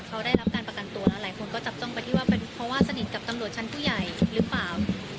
เขาได้รับการประกันตัวแล้วหลายคนก็จับจ้องไปที่ว่าเป็นเพราะว่าสนิทกับตำรวจชั้นผู้ใหญ่หรือเปล่า